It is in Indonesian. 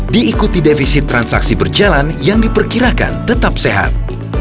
diikuti defisit transaksi berjalan yang diperkirakan tetap sehat